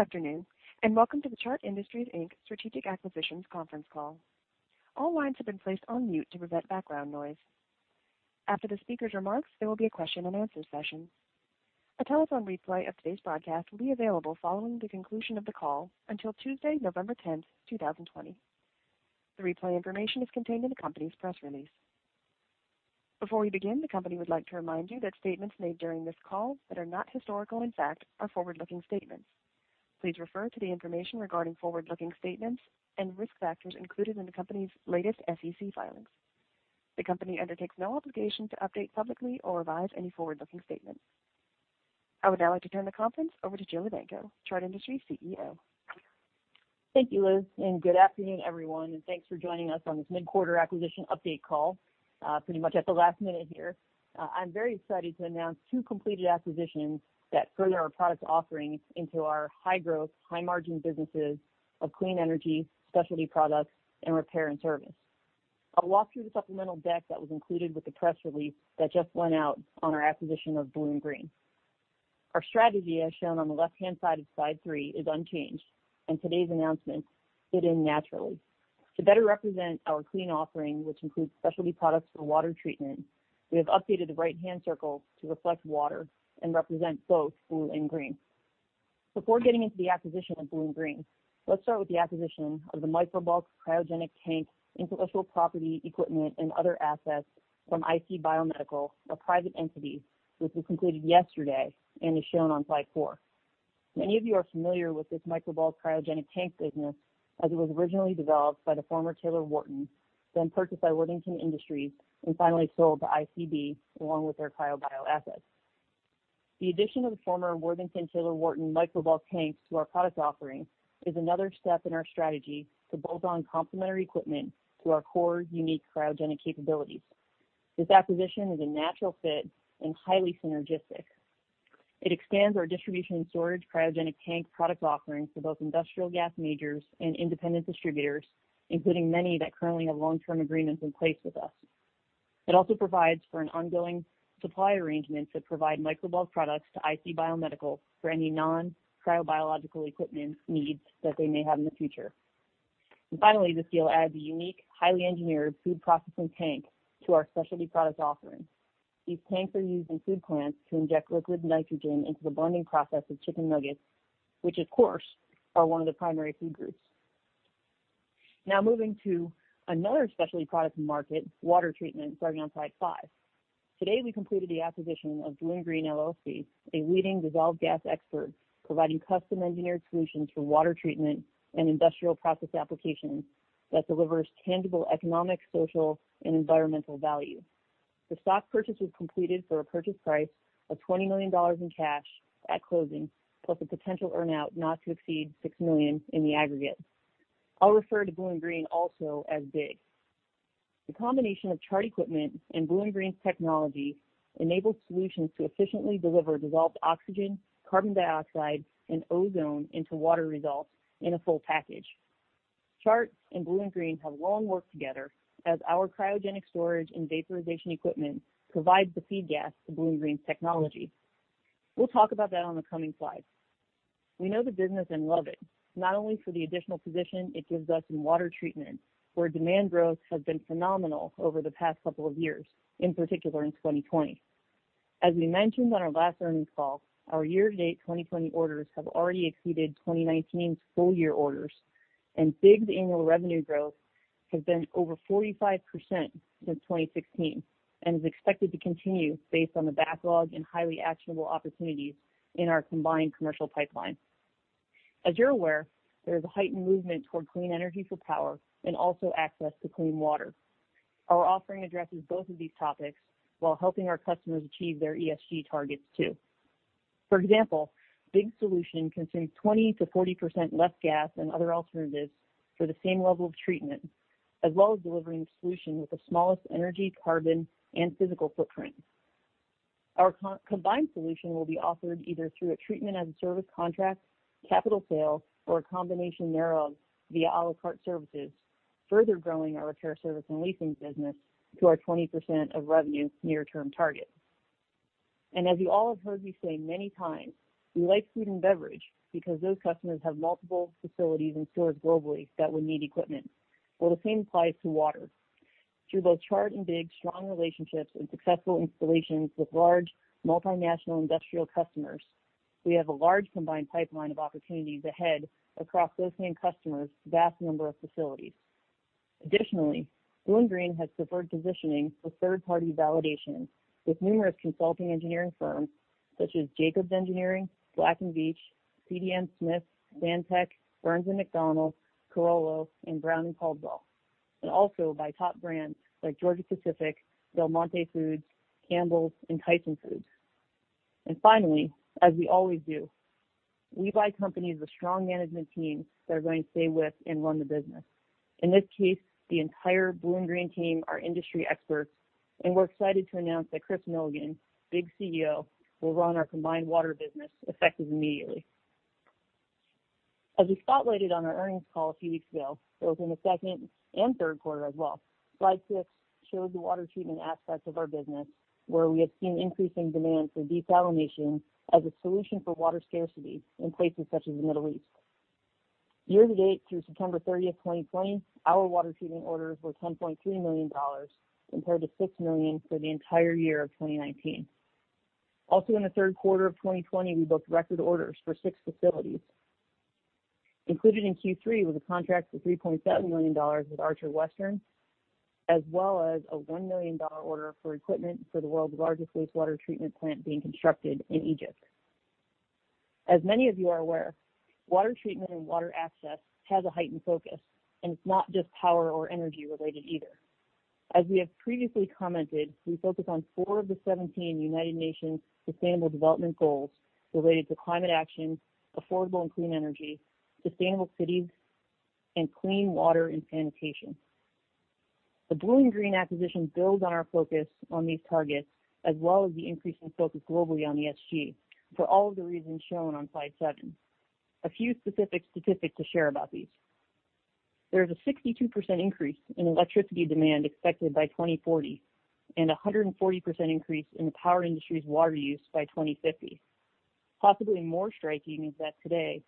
Good afternoon and welcome to the Chart Industries, Inc. Strategic Acquisitions Conference Call. All lines have been placed on mute to prevent background noise. After the speaker's remarks, there will be a question-and-answer session. A telephone replay of today's broadcast will be available following the conclusion of the call until Tuesday, November 10th, 2020. The replay information is contained in the company's press release. Before we begin, the company would like to remind you that statements made during this call that are not historical, in fact, are forward-looking statements. Please refer to the information regarding forward-looking statements and risk factors included in the company's latest SEC filings. The company undertakes no obligation to update publicly or revise any forward-looking statements. I would now like to turn the conference over to Jillian Evanko, Chart Industries, Inc. CEO. Thank you, Liz, and good afternoon, everyone, and thanks for joining us on this mid-quarter acquisition update call, pretty much at the last minute here. I'm very excited to announce two completed acquisitions that further our product offerings into our high-growth, high-margin businesses of clean energy, specialty products, and repair and service. I'll walk through the supplemental deck that was included with the press release that just went out on our acquisition of BlueInGreen. Our strategy, as shown on the left-hand side of slide three, is unchanged, and today's announcement fit in naturally. To better represent our clean offering, which includes specialty products for water treatment, we have updated the right-hand circle to reflect water and represent both BlueInGreen's. Before getting into the acquisition of BlueInGreen, let's start with the acquisition of the Microbulk Cryogenic Tank Intellectual Property Equipment and Other Assets from IC Biomedical, a private entity which was completed yesterday and is shown on slide four. Many of you are familiar with this Microbulk Cryogenic Tank business as it was originally developed by the former Taylor-Wharton, then purchased by Worthington Industries, and finally sold to ICB along with their cryobio assets. The addition of the former Worthington Taylor-Wharton Microbulk tanks to our product offering is another step in our strategy to bolt on complementary equipment to our core, unique cryogenic capabilities. This acquisition is a natural fit and highly synergistic. It expands our distribution and storage cryogenic tank product offering for both industrial gas majors and independent distributors, including many that currently have long-term agreements in place with us. It also provides for an ongoing supply arrangement to provide Microbulk products to IC Biomedical for any non-cryobiological equipment needs that they may have in the future. And finally, this deal adds a unique, highly engineered food processing tank to our specialty product offering. These tanks are used in food plants to inject liquid nitrogen into the blending process of chicken nuggets, which, of course, are one of the primary food groups. Now moving to another specialty product in the market, water treatment, starting on slide five. Today, we completed the acquisition of BlueInGreen, LLC, a leading dissolved gas expert providing custom-engineered solutions for water treatment and industrial process applications that delivers tangible economic, social, and environmental value. The stock purchase was completed for a purchase price of $20 million in cash at closing, plus a potential earn-out not to exceed $6 million in the aggregate. I'll refer to BlueInGreen also as BIG. The combination of Chart Equipment and BlueInGreen's technology enables solutions to efficiently deliver dissolved oxygen, carbon dioxide, and ozone into water, results in a full package. Chart and BlueInGreen have long worked together as our cryogenic storage and vaporization equipment provides the feed gas to BlueInGreen's technology. We'll talk about that on the coming slides. We know the business and love it, not only for the additional position it gives us in water treatment, where demand growth has been phenomenal over the past couple of years, in particular in 2020. As we mentioned on our last earnings call, our year-to-date 2020 orders have already exceeded 2019's full-year orders, and BIG's annual revenue growth has been over 45% since 2016 and is expected to continue based on the backlog and highly actionable opportunities in our combined commercial pipeline. As you're aware, there is a heightened movement toward clean energy for power and also access to clean water. Our offering addresses both of these topics while helping our customers achieve their ESG targets too. For example, BIG's solution consumes 20%-40% less gas than other alternatives for the same level of treatment, as well as delivering the solution with the smallest energy, carbon, and physical footprint. Our combined solution will be offered either through a treatment-as-a-service contract, capital sale, or a combination or via a la carte services, further growing our repair service and leasing business to our 20% of revenue near-term target. And as you all have heard me say many times, we like food and beverage because those customers have multiple facilities and stores globally that would need equipment. Well, the same applies to water. Through both Chart and BIG's strong relationships and successful installations with large multinational industrial customers, we have a large combined pipeline of opportunities ahead across those same customers' vast number of facilities. Additionally, BlueInGreen has preferred positioning for third-party validation with numerous consulting engineering firms such as Jacobs Engineering, Black & Veatch, CDM Smith, Stantec, Burns & McDonnell, Carollo, and Brown & Caldwell, and also by top brands like Georgia-Pacific, Del Monte Foods, Campbell's, and Tyson Foods. And finally, as we always do, we buy companies with strong management teams that are going to stay with and run the business. In this case, the entire BlueInGreen team are industry experts, and we're excited to announce that Chris Milligan, BIG's CEO, will run our combined water business effective immediately. As we spotlighted on our earnings call a few weeks ago, both in the second and third quarter as well, slide six shows the water treatment aspects of our business, where we have seen increasing demand for desalination as a solution for water scarcity in places such as the Middle East. Year-to-date through September 30th, 2020, our water treatment orders were $10.3 million compared to $6 million for the entire year of 2019. Also, in the third quarter of 2020, we booked record orders for six facilities. Included in Q3 was a contract for $3.7 million with Archer Western, as well as a $1 million order for equipment for the world's largest wastewater treatment plant being constructed in Egypt. As many of you are aware, water treatment and water access has a heightened focus, and it's not just power or energy related either. As we have previously commented, we focus on four of the 17 United Nations Sustainable Development Goals related to climate action, affordable and clean energy, sustainable cities, and clean water and sanitation. The BlueInGreen acquisition builds on our focus on these targets, as well as the increasing focus globally on ESG for all of the reasons shown on slide seven. A few specific statistics to share about these. There is a 62% increase in electricity demand expected by 2040 and a 140% increase in the power industry's water use by 2050. Possibly more striking is that today,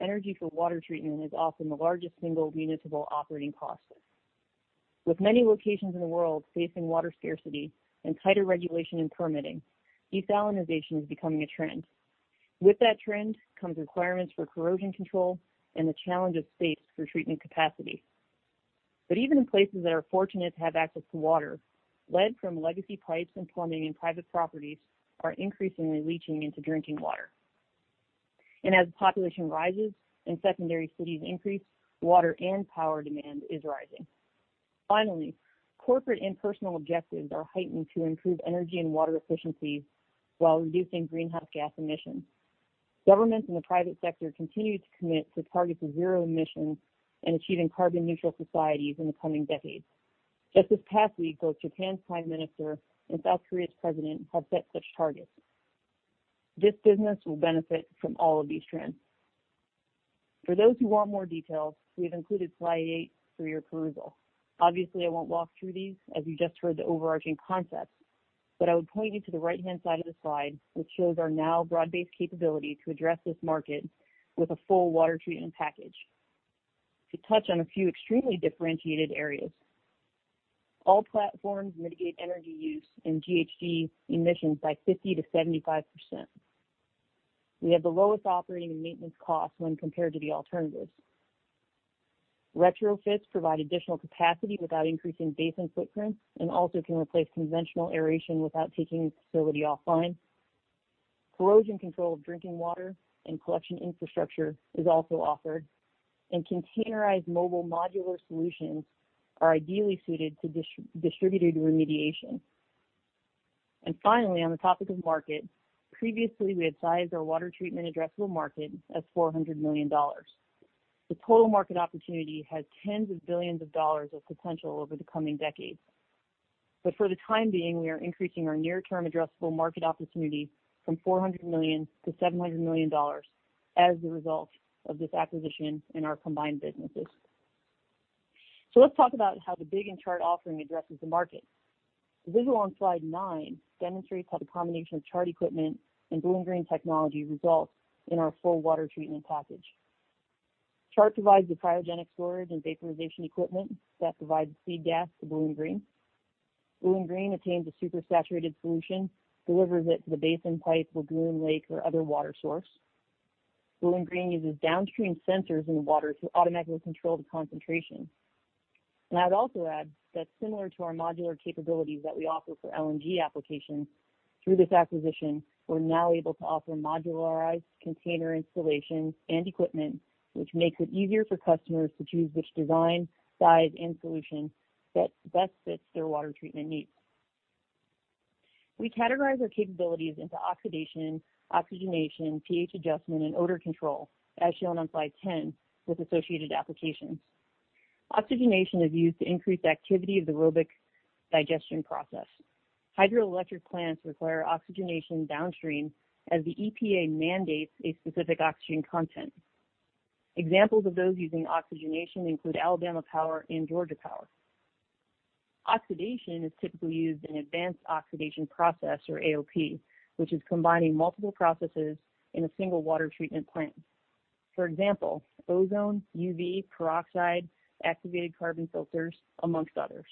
energy for water treatment is often the largest single municipal operating cost. With many locations in the world facing water scarcity and tighter regulation and permitting, desalination is becoming a trend. With that trend comes requirements for corrosion control and the challenge of space for treatment capacity. But even in places that are fortunate to have access to water, lead from legacy pipes and plumbing in private properties are increasingly leaching into drinking water. And as the population rises and secondary cities increase, water and power demand is rising. Finally, corporate and personal objectives are heightened to improve energy and water efficiency while reducing greenhouse gas emissions. Governments in the private sector continue to commit to targets of zero emissions and achieving carbon-neutral societies in the coming decades. Just this past week, both Japan's Prime Minister and South Korea's President have set such targets. This business will benefit from all of these trends. For those who want more details, we have included slide eight for your perusal. Obviously, I won't walk through these as you just heard the overarching concepts, but I would point you to the right-hand side of the slide, which shows our now broad-based capability to address this market with a full water treatment package. To touch on a few extremely differentiated areas, all platforms mitigate energy use and GHG emissions by 50%-75%. We have the lowest operating and maintenance costs when compared to the alternatives. Retrofits provide additional capacity without increasing basin footprints and also can replace conventional aeration without taking the facility offline. Corrosion control of drinking water and collection infrastructure is also offered, and containerized mobile modular solutions are ideally suited to distributed remediation. Finally, on the topic of market, previously we had sized our water treatment addressable market as $400 million. The total market opportunity has tens of billions of dollars of potential over the coming decades. But for the time being, we are increasing our near-term addressable market opportunity from $400 million to $700 million as a result of this acquisition in our combined businesses. Let's talk about how the BIG and Chart offering addresses the market. The visual on slide nine demonstrates how the combination of Chart equipment and BlueInGreen technology results in our full water treatment package. Chart provides the cryogenic storage and vaporization equipment that provides the feed gas to BlueInGreen. BlueInGreen obtains a supersaturated solution, delivers it to the basin, pipe, or lagoon or other water source. BlueInGreen uses downstream sensors in the water to automatically control the concentration, and I would also add that similar to our modular capabilities that we offer for LNG applications, through this acquisition, we're now able to offer modularized container installations and equipment, which makes it easier for customers to choose which design, size, and solution best fits their water treatment needs. We categorize our capabilities into oxidation, oxygenation, pH adjustment, and odor control, as shown on slide 10, with associated applications. Oxygenation is used to increase the activity of the aerobic digestion process. Hydroelectric plants require oxygenation downstream as the EPA mandates a specific oxygen content. Examples of those using oxygenation include Alabama Power and Georgia Power. Oxidation is typically used in advanced oxidation process, or AOP, which is combining multiple processes in a single water treatment plant. For example, ozone, UV, peroxide, activated carbon filters, among others.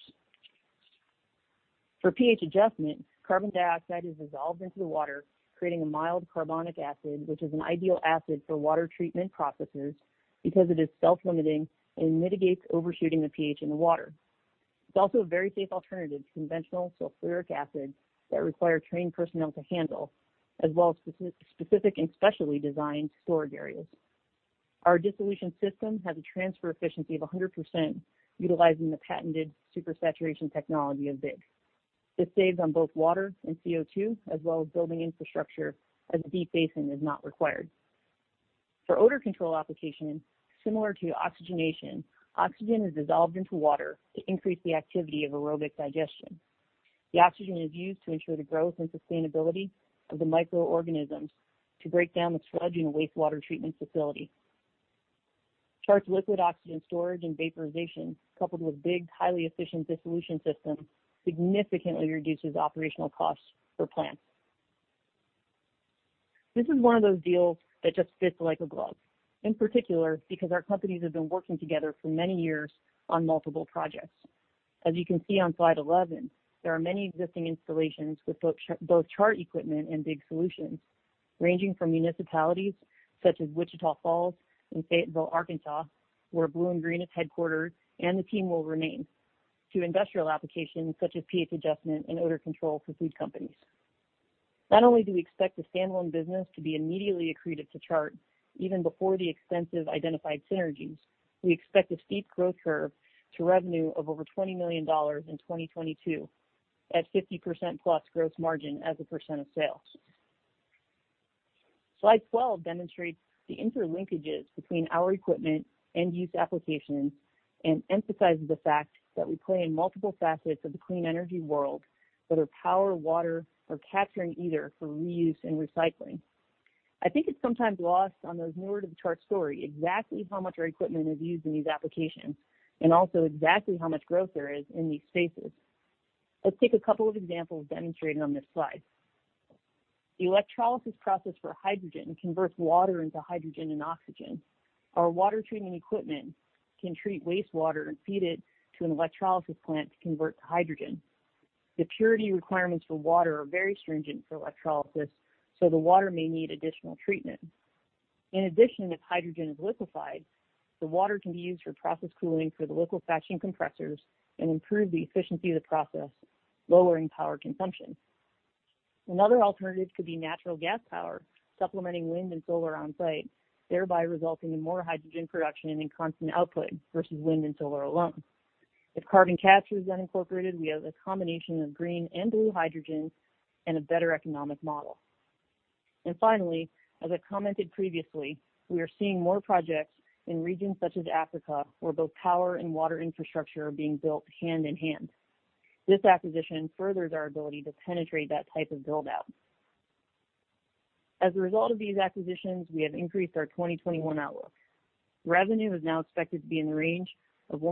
For pH adjustment, carbon dioxide is dissolved into the water, creating a mild carbonic acid, which is an ideal acid for water treatment processes because it is self-limiting and mitigates overshooting the pH in the water. It's also a very safe alternative to conventional sulfuric acid that requires trained personnel to handle, as well as specific and specially designed storage areas. Our dissolution system has a transfer efficiency of 100%, utilizing the patented super-saturation technology of BIG. This saves on both water and CO2, as well as building infrastructure as deep basin is not required. For odor control application, similar to oxygenation, oxygen is dissolved into water to increase the activity of aerobic digestion. The oxygen is used to ensure the growth and sustainability of the microorganisms to break down the sludge in a wastewater treatment facility. Chart's liquid oxygen storage and vaporization, coupled with BIG's highly efficient dissolution system, significantly reduces operational costs for plants. This is one of those deals that just fits like a glove, in particular because our companies have been working together for many years on multiple projects. As you can see on slide 11, there are many existing installations with both Chart Equipment and BIG solutions, ranging from municipalities such as Wichita Falls and Fayetteville, Arkansas, where BlueInGreen is headquartered and the team will remain, to industrial applications such as pH adjustment and odor control for food companies. Not only do we expect the standalone business to be immediately accretive to Chart, even before the extensive identified synergies, we expect a steep growth curve to revenue of over $20 million in 2022 at 50% plus gross margin as a percent of sales. Slide 12 demonstrates the interlinkages between our equipment and use applications and emphasizes the fact that we play in multiple facets of the clean energy world, whether power, water, or capturing either for reuse and recycling. I think it's sometimes lost on those newer to the Chart story exactly how much our equipment is used in these applications and also exactly how much growth there is in these spaces. Let's take a couple of examples demonstrated on this slide. The electrolysis process for hydrogen converts water into hydrogen and oxygen. Our water treatment equipment can treat wastewater and feed it to an electrolysis plant to convert to hydrogen. The purity requirements for water are very stringent for electrolysis, so the water may need additional treatment. In addition, if hydrogen is liquefied, the water can be used for process cooling for the liquefaction compressors and improve the efficiency of the process, lowering power consumption. Another alternative could be natural gas power supplementing wind and solar onsite, thereby resulting in more hydrogen production and constant output versus wind and solar alone. If carbon capture is then incorporated, we have a combination of green and blue hydrogen and a better economic model. And finally, as I commented previously, we are seeing more projects in regions such as Africa where both power and water infrastructure are being built hand in hand. This acquisition furthers our ability to penetrate that type of buildout. As a result of these acquisitions, we have increased our 2021 outlook. Revenue is now expected to be in the range of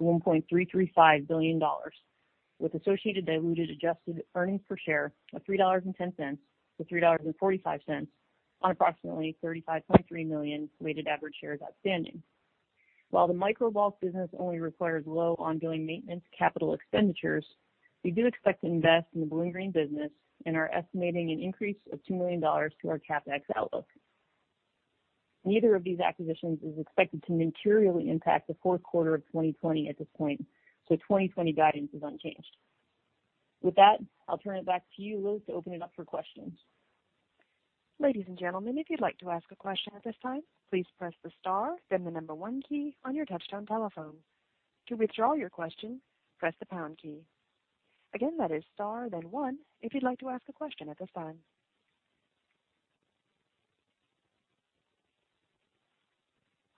$1.26-$1.335 billion, with associated diluted adjusted earnings per share of $3.10-$3.45 on approximately $35.3 million weighted average shares outstanding. While the Microbulk business only requires low ongoing maintenance capital expenditures, we do expect to invest in the BlueInGreen business and are estimating an increase of $2 million to our CapEx outlook. Neither of these acquisitions is expected to materially impact the fourth quarter of 2020 at this point, so 2020 guidance is unchanged. With that, I'll turn it back to you, Liz, to open it up for questions. Ladies and gentlemen, if you'd like to ask a question at this time, please press the star, then the number one key on your touch-tone telephone. To withdraw your question, press the pound key. Again, that is star, then one, if you'd like to ask a question at this time.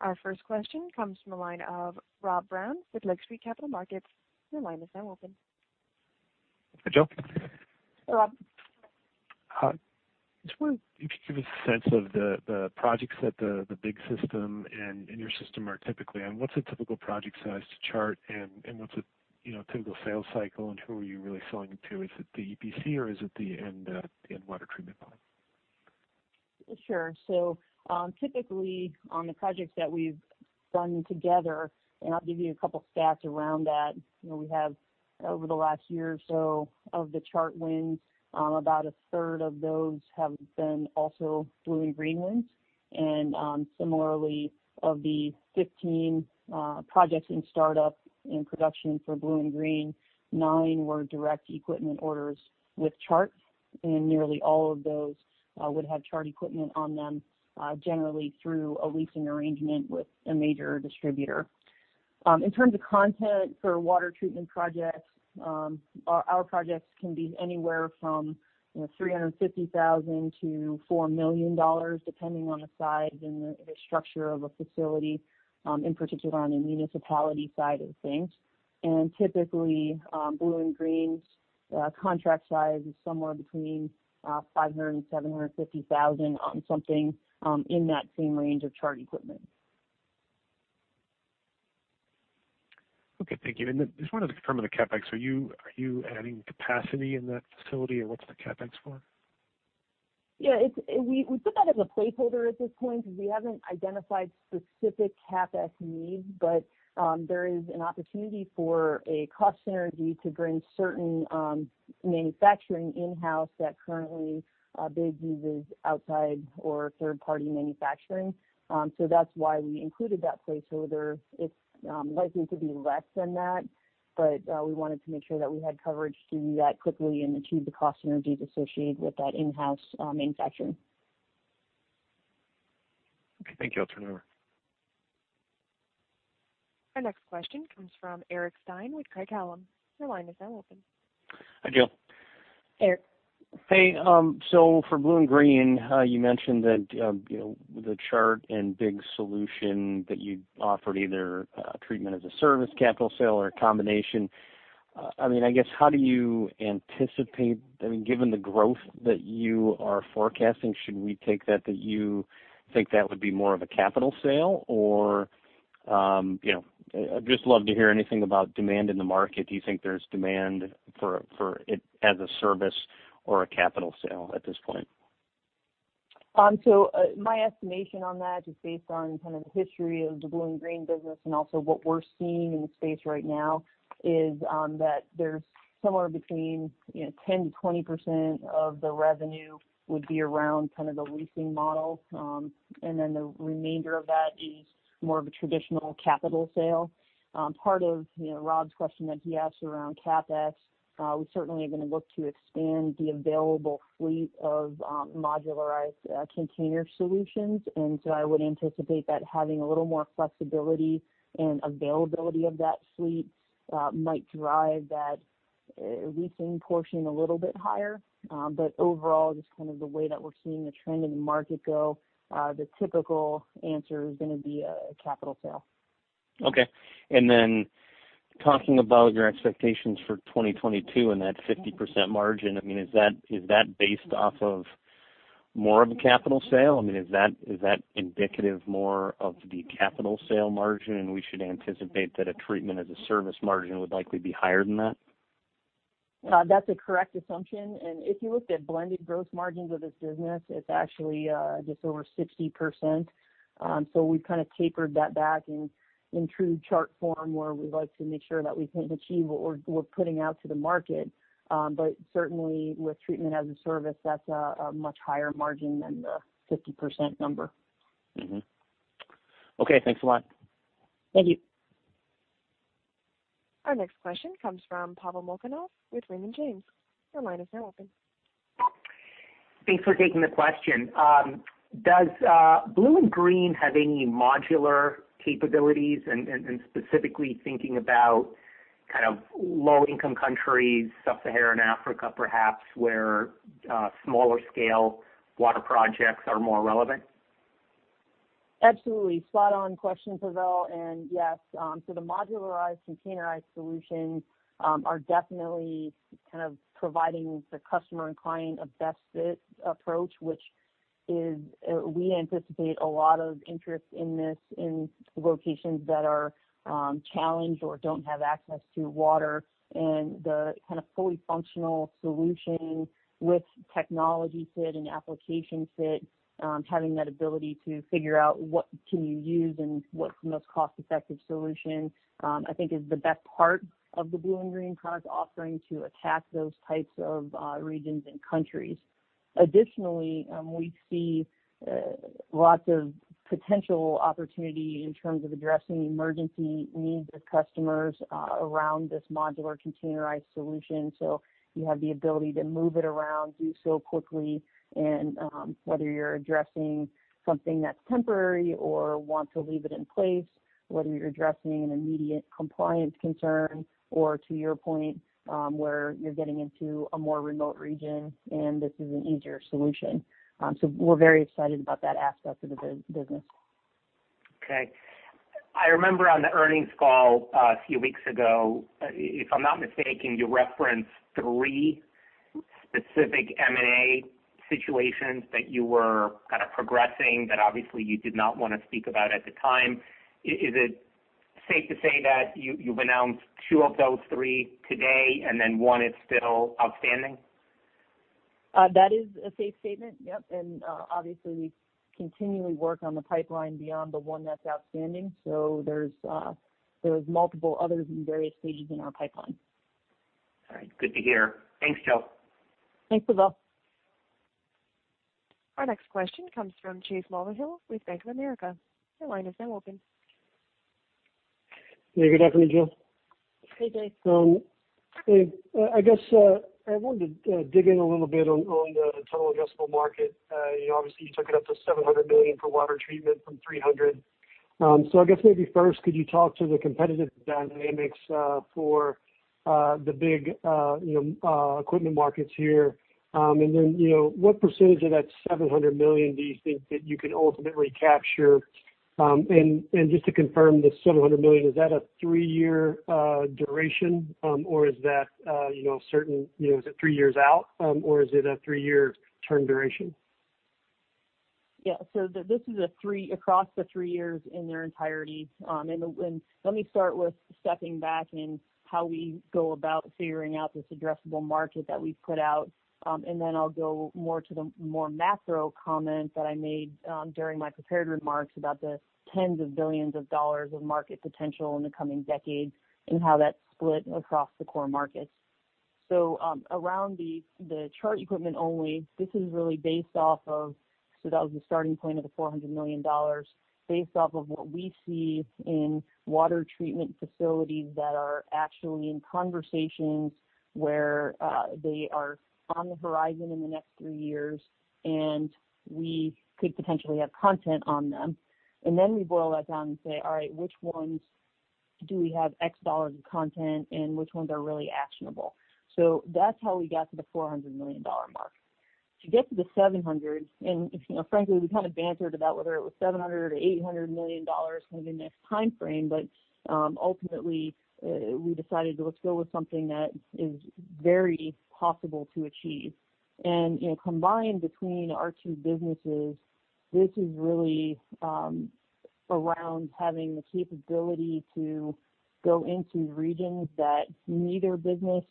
Our first question comes from the line of Rob Brown with Lake Street Capital Markets. Your line is now open. Hi, Jill. Hi, Rob. I just wondered if you could give us a sense of the projects that the BIG system and your system are typically on. What's a typical project size to Chart, and what's a typical sales cycle, and who are you really selling to? Is it the EPC, or is it the end-water treatment plant? Sure. So typically, on the projects that we've done together, and I'll give you a couple of stats around that. We have, over the last year or so of the Chart wins, about a third of those have been also BlueInGreen wins. Similarly, of the 15 projects in startup and production for BlueInGreen, nine were direct equipment orders with Chart, and nearly all of those would have Chart Equipment on them, generally through a leasing arrangement with a major distributor. In terms of content for water treatment projects, our projects can be anywhere from $350,000-$4 million, depending on the size and the structure of a facility, in particular on the municipality side of things. Typically, BlueInGreen's contract size is somewhere between $500,000 and $750,000 on something in that same range of Chart Equipment. Okay. Thank you. I just wanted to confirm the CapEx. Are you adding capacity in that facility, or what's the CapEx for? Yeah. We put that as a placeholder at this point because we haven't identified specific CapEx needs, but there is an opportunity for a cost synergy to bring certain manufacturing in-house that currently BIG uses outside or third-party manufacturing. So that's why we included that placeholder. It's likely to be less than that, but we wanted to make sure that we had coverage to do that quickly and achieve the cost synergies associated with that in-house manufacturing. Okay. Thank you. I'll turn it over. Our next question comes from Eric Stine with Craig-Hallum. Your line is now open. Hi, Jill. Hey. So for BlueInGreen, you mentioned that the Chart and BIG solution that you offered either treatment as a service, capital sale, or a combination. I mean, I guess, how do you anticipate, I mean, given the growth that you are forecasting, should we take that that you think that would be more of a capital sale? Or I'd just love to hear anything about demand in the market. Do you think there's demand for it as a service or a capital sale at this point? My estimation on that is based on kind of the history of the BlueInGreen business, and also what we're seeing in the space right now is that there's somewhere between 10%-20% of the revenue would be around kind of the leasing model, and then the remainder of that is more of a traditional capital sale. Part of Rob's question that he asked around CapEx, we certainly are going to look to expand the available fleet of modularized container solutions. And so I would anticipate that having a little more flexibility and availability of that fleet might drive that leasing portion a little bit higher. But overall, just kind of the way that we're seeing the trend in the market go, the typical answer is going to be a capital sale. Okay. And then talking about your expectations for 2022 and that 50% margin, I mean, is that based off of more of a capital sale? I mean, is that indicative more of the capital sale margin, and we should anticipate that a treatment as a service margin would likely be higher than that? That's a correct assumption. And if you looked at blended gross margins of this business, it's actually just over 60%. So we've kind of tapered that back in true Chart form where we like to make sure that we can achieve what we're putting out to the market. But certainly, with treatment as a service, that's a much higher margin than the 50% number. Okay. Thanks a lot. Thank you. Our next question comes from Pavel Molchanov with Raymond James. Your line is now open. Thanks for taking the question. Does BlueInGreen have any modular capabilities, and specifically thinking about kind of low-income countries, Sub-Saharan Africa perhaps, where smaller-scale water projects are more relevant? Absolutely. Spot-on question, Pavel. And yes. So the modularized containerized solutions are definitely kind of providing the customer and client a best-fit approach, which we anticipate a lot of interest in this in locations that are challenged or don't have access to water. And the kind of fully functional solution with technology fit and application fit, having that ability to figure out what can you use and what's the most cost-effective solution, I think, is the best part of the BlueInGreen product offering to attack those types of regions and countries. Additionally, we see lots of potential opportunity in terms of addressing emergency needs of customers around this modular containerized solution. So you have the ability to move it around, do so quickly, and whether you're addressing something that's temporary or want to leave it in place, whether you're addressing an immediate compliance concern, or to your point, where you're getting into a more remote region, and this is an easier solution. So we're very excited about that aspect of the business. Okay. I remember on the earnings call a few weeks ago, if I'm not mistaken, you referenced three specific M&A situations that you were kind of progressing that obviously you did not want to speak about at the time. Is it safe to say that you've announced two of those three today and then one is still outstanding? That is a safe statement. Yep, and obviously we continually work on the pipeline beyond the one that's outstanding, so there's multiple others in various stages in our pipeline. All right. Good to hear. Thanks, Jill. Thanks, Pavel. Our next question comes from Chase Mulvehill with Bank of America. Your line is now open. Hey. Good afternoon, Jill. Hey, Jay. Hey. I guess I wanted to dig in a little bit on the total addressable market. Obviously, you took it up to $700 million for water treatment from $300. So I guess maybe first, could you talk to the competitive dynamics for the BIG equipment markets here? And then what percentage of that $700 million do you think that you can ultimately capture? And just to confirm, the $700 million, is that a three-year duration, or is it three years out, or is it a three-year term duration? Yeah. So this is across the three years in their entirety. And let me start with stepping back in how we go about figuring out this addressable market that we've put out. And then I'll go more to the more macro comment that I made during my prepared remarks about the tens of billions of dollars of market potential in the coming decades and how that's split across the core markets. So around the Chart Equipment only, this is really based off of, so that was the starting point of the $400 million, based off of what we see in water treatment facilities that are actually in conversations where they are on the horizon in the next three years, and we could potentially have content on them. And then we boil that down and say, "All right. Which ones do we have X dollars of content, and which ones are really actionable?" So that's how we got to the $400 million mark. To get to the $700, and frankly, we kind of bantered about whether it was $700 or $800 million kind of in this time frame, but ultimately, we decided to let's go with something that is very possible to achieve. Combined between our two businesses, this is really around having the capability to go into regions that neither business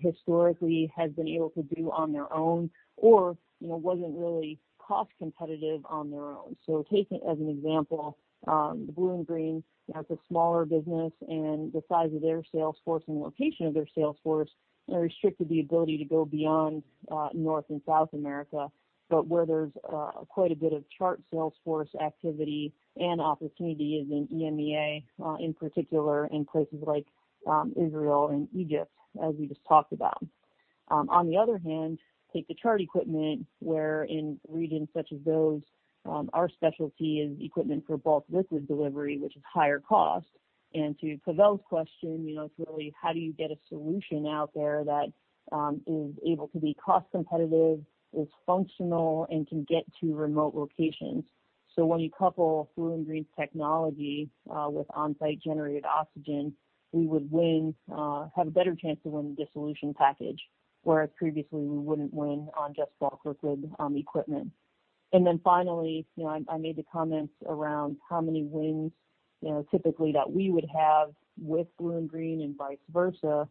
historically has been able to do on their own or wasn't really cost competitive on their own. So take it as an example, the BlueInGreen, that's a smaller business, and the size of their sales force and location of their sales force restricted the ability to go beyond North and South America. But where there's quite a bit of Chart sales force activity and opportunity is in EMEA, in particular in places like Israel and Egypt, as we just talked about. On the other hand, take the Chart Equipment where in regions such as those, our specialty is equipment for bulk liquid delivery, which is higher cost. To Pavel's question, it's really how do you get a solution out there that is able to be cost competitive, is functional, and can get to remote locations? When you couple BlueInGreen's technology with on-site generated oxygen, we would have a better chance to win the solution package, whereas previously, we wouldn't win on just bulk liquid equipment. Then finally, I made the comments around how many wins typically that we would have with BlueInGreen and vice versa.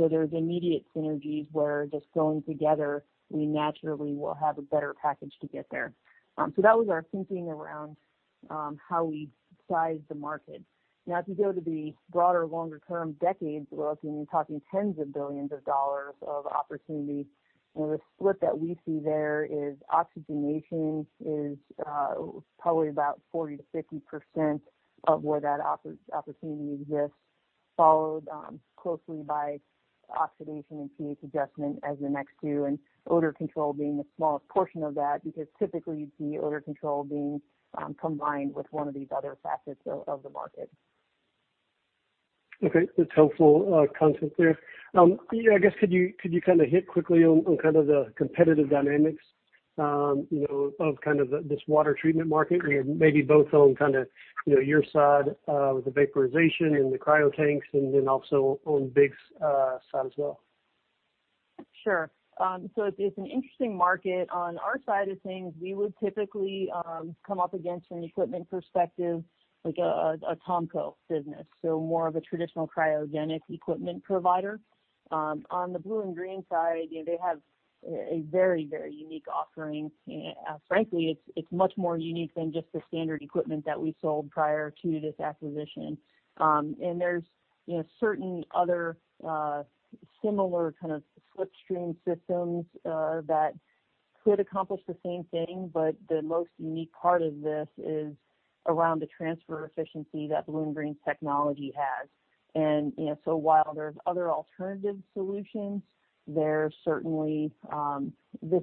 There's immediate synergies where just going together, we naturally will have a better package to get there. That was our thinking around how we size the market. Now, if you go to the broader longer-term decades, we're talking tens of billions of dollars of opportunity. The split that we see there is oxygenation is probably about 40%-50% of where that opportunity exists, followed closely by oxidation and pH adjustment as the next two, and odor control being the smallest portion of that because typically, you'd see odor control being combined with one of these other facets of the market. Okay. That's helpful content there. I guess could you kind of hit quickly on kind of the competitive dynamics of kind of this water treatment market? Maybe both on kind of your side with the vaporization and the cryotanks, and then also on BIG's side as well. Sure. So it's an interesting market. On our side of things, we would typically come up against, from the equipment perspective, a TOMCO business, so more of a traditional cryogenic equipment provider. On the BlueInGreen side, they have a very, very unique offering. Frankly, it's much more unique than just the standard equipment that we sold prior to this acquisition. And there's certain other similar kind of slipstream systems that could accomplish the same thing, but the most unique part of this is around the transfer efficiency that BlueInGreen's technology has. And so while there's other alternative solutions, this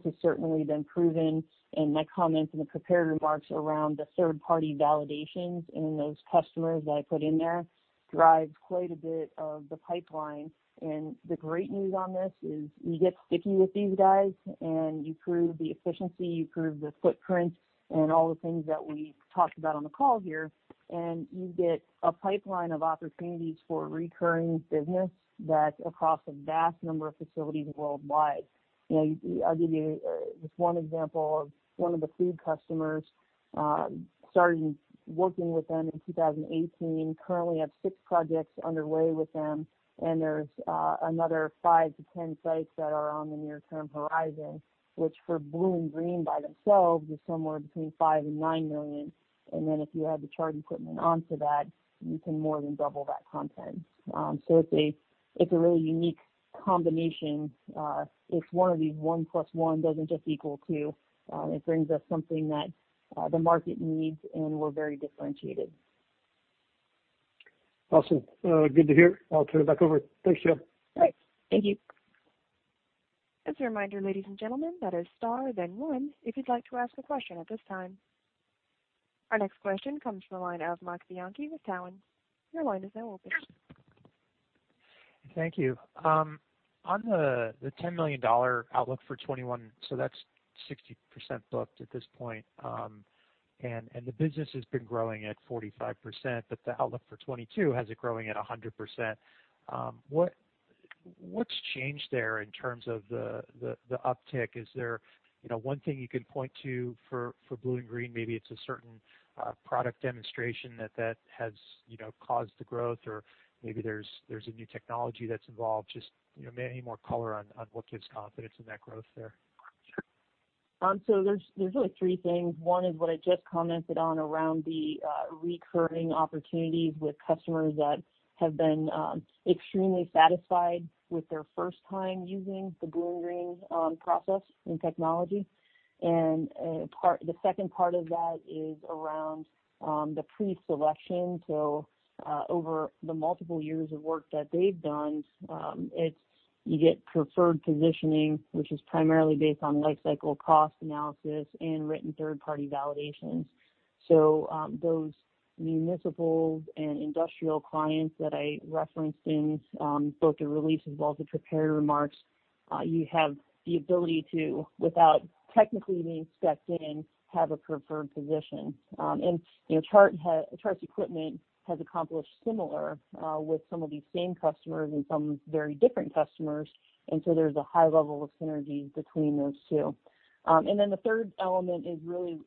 has certainly been proven, and my comments and the prepared remarks around the third-party validations and those customers that I put in there drive quite a bit of the pipeline. And the great news on this is you get sticky with these guys, and you prove the efficiency, you prove the footprint, and all the things that we talked about on the call here, and you get a pipeline of opportunities for recurring business that's across a vast number of facilities worldwide. I'll give you just one example of one of the food customers. Started working with them in 2018, currently have six projects underway with them, and there's another 5-10 sites that are on the near-term horizon, which for BlueInGreen by themselves is somewhere between $5 and $9 million. And then if you add the Chart equipment onto that, you can more than double that content. So it's a really unique combination. It's one of these one plus one doesn't just equal two. It brings us something that the market needs, and we're very differentiated. Awesome. Good to hear. I'll turn it back over. Thanks, Jill. All right. Thank you. As a reminder, ladies and gentlemen, that is star, then one, if you'd like to ask a question at this time. Our next question comes from the line of Marc Bianchi with Cowen. Your line is now open. Thank you. On the $10 million outlook for 2021, so that's 60% booked at this point, and the business has been growing at 45%, but the outlook for 2022 has it growing at 100%. What's changed there in terms of the uptick? Is there one thing you can point to for BlueInGreen? Maybe it's a certain product demonstration that has caused the growth, or maybe there's a new technology that's involved. Just maybe more color on what gives confidence in that growth there. So there's really three things. One is what I just commented on around the recurring opportunities with customers that have been extremely satisfied with their first time using the BlueInGreen process and technology. And the second part of that is around the pre-selection. So over the multiple years of work that they've done, you get preferred positioning, which is primarily based on life cycle cost analysis and written third-party validations. So those municipal and industrial clients that I referenced in both the release as well as the prepared remarks, you have the ability to, without technically being stepped in, have a preferred position. And Chart Equipment has accomplished similar with some of these same customers and some very different customers. And so there's a high level of synergy between those two. And then the third element is really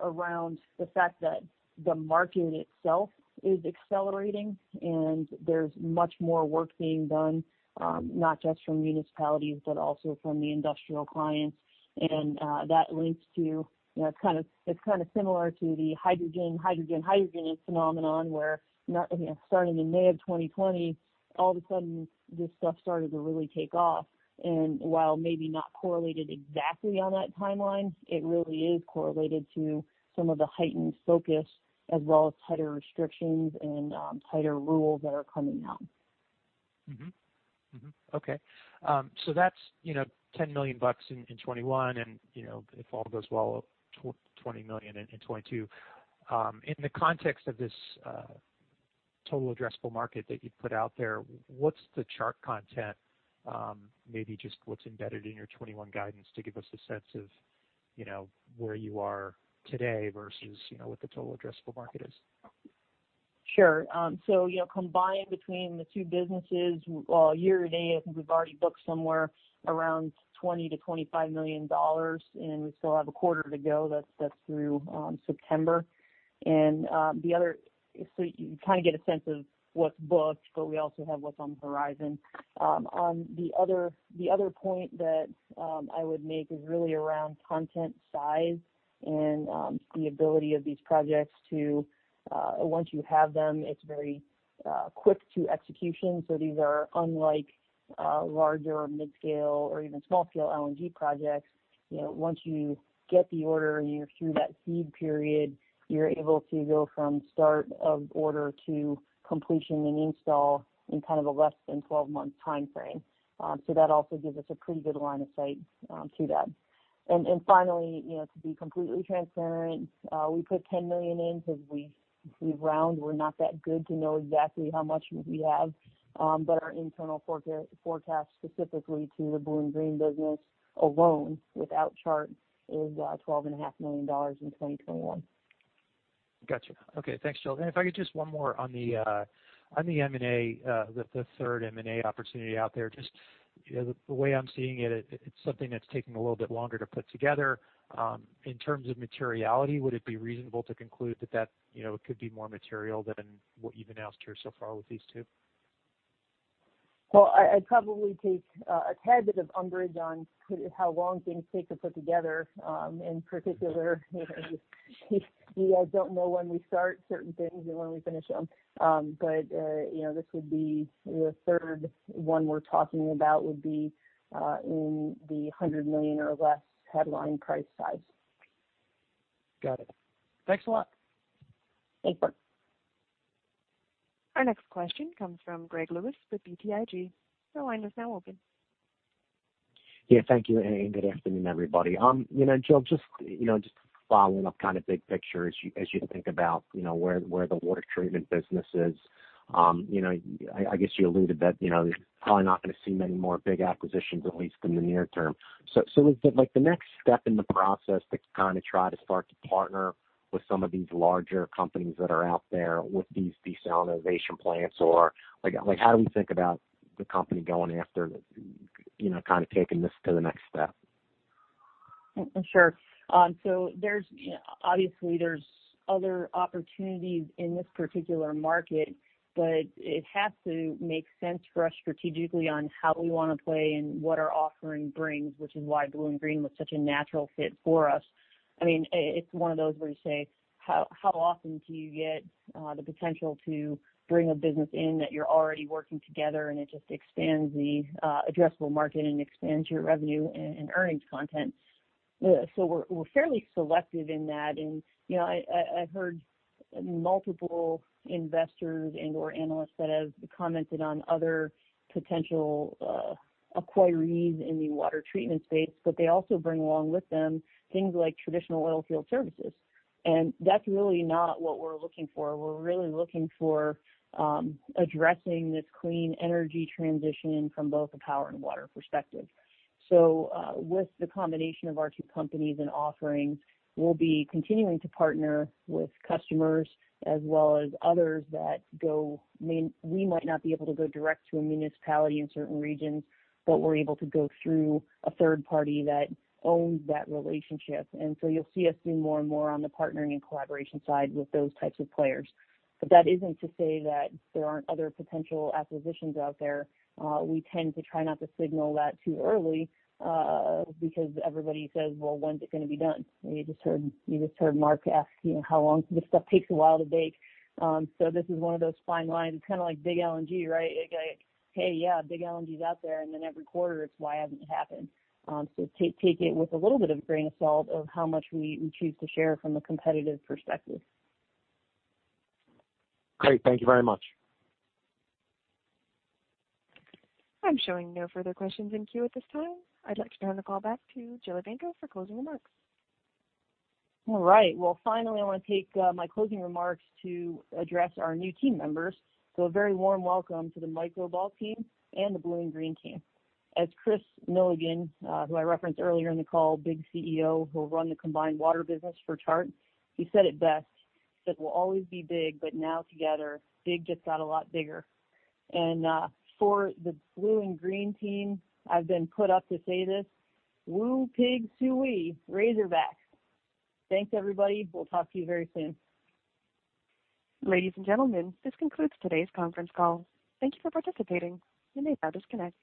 around the fact that the market itself is accelerating, and there's much more work being done, not just from municipalities but also from the industrial clients. That links to it’s kind of similar to the hydrogen, hydrogen, hydrogen phenomenon where, starting in May of 2020, all of a sudden, this stuff started to really take off. While maybe not correlated exactly on that timeline, it really is correlated to some of the heightened focus as well as tighter restrictions and tighter rules that are coming out. Okay. That’s $10 million in 2021, and if all goes well, $20 million in 2022. In the context of this total addressable market that you put out there, what’s the Chart content? Maybe just what’s embedded in your 2021 guidance to give us a sense of where you are today versus what the total addressable market is. Sure. Combined between the two businesses, well, year to date, I think we've already booked somewhere around $20-$25 million, and we still have a quarter to go. That's through September. And so you kind of get a sense of what's booked, but we also have what's on the horizon. The other point that I would make is really around content size and the ability of these projects to once you have them, it's very quick to execution. So these are unlike larger or mid-scale or even small-scale LNG projects. Once you get the order and you're through that seed period, you're able to go from start of order to completion and install in kind of a less than 12-month timeframe. So that also gives us a pretty good line of sight to that. And finally, to be completely transparent, we put $10 million in because we've round. We're not that good to know exactly how much we have, but our internal forecast specifically to the BlueInGreen business alone without Chart is $12.5 million in 2021. Gotcha. Okay. Thanks, Jill. And if I could just one more on the M&A, the third M&A opportunity out there, just the way I'm seeing it, it's something that's taking a little bit longer to put together. In terms of materiality, would it be reasonable to conclude that that could be more material than what you've announced here so far with these two? Well, I'd probably take a tad bit of umbrage on how long things take to put together. In particular, you guys don't know when we start certain things and when we finish them. But this would be the third one we're talking about would be in the $100 million or less headline price size. Got it. Thanks a lot. Thanks, Mark. Our next question comes from Greg Lewis with BTIG. Your line is now open. Yeah. Thank you, and good afternoon, everybody. Jill, just following up kind of big picture as you think about where the water treatment business is, I guess you alluded that you're probably not going to see many more big acquisitions, at least in the near term. So is it the next step in the process to kind of try to start to partner with some of these larger companies that are out there with these desalination plants? Or how do we think about the company going after kind of taking this to the next step? Sure. So obviously, there's other opportunities in this particular market, but it has to make sense for us strategically on how we want to play and what our offering brings, which is why BlueInGreen was such a natural fit for us. I mean, it's one of those where you say, "How often do you get the potential to bring a business in that you're already working together?" And it just expands the addressable market and expands your revenue and earnings content. So we're fairly selective in that. And I've heard multiple investors and/or analysts that have commented on other potential acquiree's in the water treatment space, but they also bring along with them things like traditional oil field services. And that's really not what we're looking for. We're really looking for addressing this clean energy transition from both a power and water perspective. With the combination of our two companies and offerings, we'll be continuing to partner with customers as well as others that we might not be able to go direct to a municipality in certain regions, but we're able to go through a third party that owns that relationship. And so you'll see us do more and more on the partnering and collaboration side with those types of players. But that isn't to say that there aren't other potential acquisitions out there. We tend to try not to signal that too early because everybody says, "Well, when's it going to be done?" You just heard Marc ask how long this stuff takes a while to bake. This is one of those fine lines. It's kind of like big LNG, right? Hey, yeah, big LNG is out there." And then every quarter, it's, "Why hasn't it happened?" So take it with a little bit of a grain of salt of how much we choose to share from a competitive perspective. Great. Thank you very much. I'm showing no further questions in queue at this time. I'd like to turn the call back to Jillian Evanko for closing remarks. All right. Well, finally, I want to take my closing remarks to address our new team members. So a very warm welcome to the Microbulk team and the BlueInGreen team. As Chris Milligan, who I referenced earlier in the call, BIG CEO who will run the combined water business for Chart, he said it best. He said, "We'll always be big, but now together, big just got a lot bigger." And for the BlueInGreen team, I've been put up to say this, "Woo pig sooie, Razorbacks." Thanks, everybody. We'll talk to you very soon. Ladies and gentlemen, this concludes today's conference call. Thank you for participating. You may now disconnect.